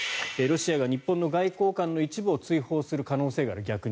ロシアが日本の外交官の一部を逆に追放する可能性がある。